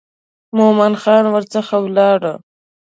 مومن خان ورڅخه ولاړ.